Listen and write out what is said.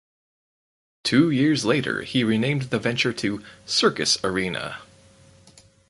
Two years later he renamed the venture to Circus Arena.